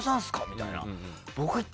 みたいな。